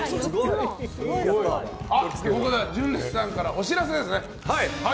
純烈さんからお知らせですね。